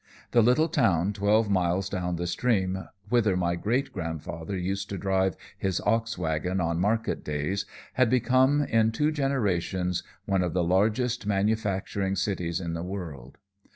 The little town twelve miles down the stream, whither my great grandfather used to drive his ox wagon on market days, had become, in two generations, one of the largest manufacturing cities in the world.